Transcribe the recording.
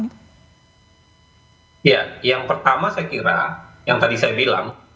ya yang pertama saya kira yang tadi saya bilang